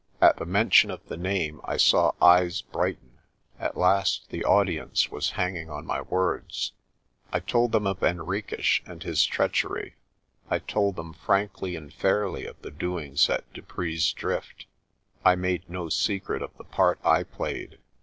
At the mention of the name I saw eyes brighten. At last the audience was hanging on my words. I told them of Henriques and his treachery. I told them frankly and fairly of the doings at Dupree's Drift. I made no secret of the part I played.